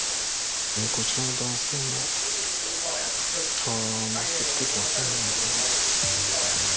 こちらの男性も、あー、マスク着けてませんね。